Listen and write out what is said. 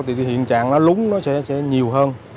thì hiện trạng nó lúng nó sẽ nhiều hơn